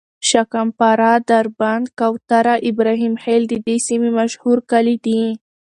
شکم پاره، دربند، کوتره، ابراهیم خیل د دې سیمې مشهور کلي دي.